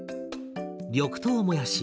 緑豆もやし